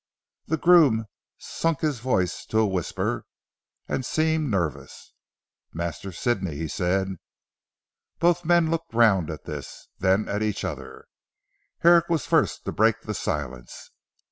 The groom sunk his voice to a whisper, and seemed nervous, "Master Sidney," he said. Both men looked round at this. Then at each other. Herrick was the first to break the silence.